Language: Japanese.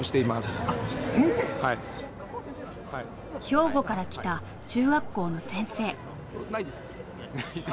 兵庫から来た中学校の先生。